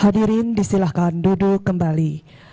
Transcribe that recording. hadirin disilahkan duduk kembali